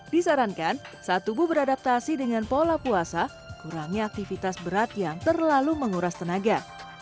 disarankan saat tubuh beradaptasi dengan pola puasa kurangi aktivitas berat yang terlalu menguras tenaga